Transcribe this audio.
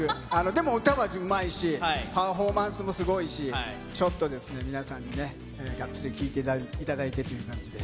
でも歌はうまいし、パフォーマンスもすごいし、ちょっと、皆さんにがっつり聴いていただいてという感じで。